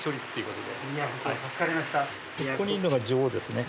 ここにいるのが女王ですね